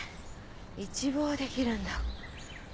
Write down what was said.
一望できるんだ。